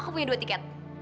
aku punya dua tiket